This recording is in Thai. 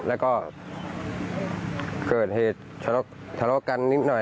แล้วก็เกิดเหตุทะเลาะกันนิดหน่อย